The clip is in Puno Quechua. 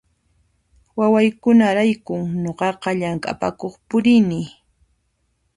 Wawaykunaraykun nuqaqa llamk'apakuq purini